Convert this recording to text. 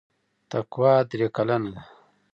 تقوا درې کلنه ده.